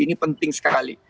ini penting sekali